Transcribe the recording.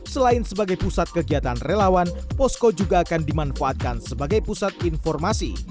selain sebagai pusat kegiatan relawan posko juga akan dimanfaatkan sebagai pusat informasi